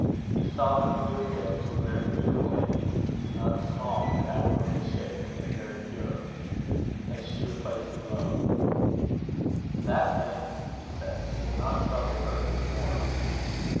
He saw that the good hands were very beautiful hands; not small, but admirably shaped, and very pure. As she replaced the globe, "That man," she said, "will not trouble her any more."